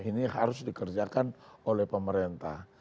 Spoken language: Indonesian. ini harus dikerjakan oleh pemerintah